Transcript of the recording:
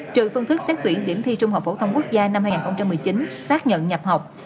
trừ phương thức xét tuyển điểm thi trung học phổ thông quốc gia năm hai nghìn một mươi chín xác nhận nhập học